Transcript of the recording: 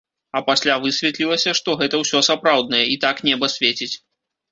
А пасля высветлілася, што гэта ўсё сапраўднае, і так неба свеціць.